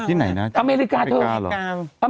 ที่ไหนนะอเมริกาเถอะ